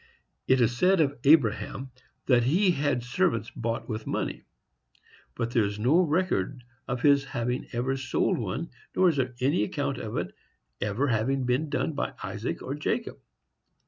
It is said of Abraham that he had "servants bought with money;" but there is no record of his having ever sold one, nor is there any account of its ever having been done by Isaac or Jacob.